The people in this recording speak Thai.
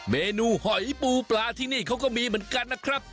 เมนูหอยปูปลาที่นี่เขาก็มีเหมือนกันนะครับ